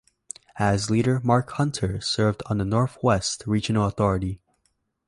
As Leader, Mark Hunter served on the North West Regional Authority.